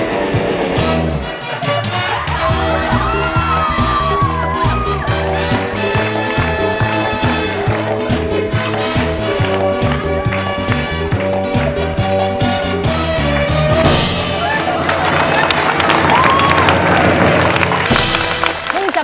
ขอบคุณครับ